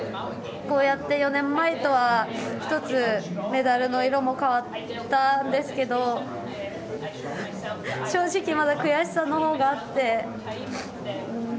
こうやって４年前とは１つメダルの色も変わったんですけど正直まだ悔しさのほうがあって。